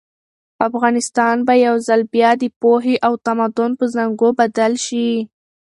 افغانستان به یو ځل بیا د پوهې او تمدن په زانګو بدل شي.